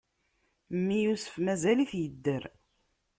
Mmi Yusef mazal-it idder!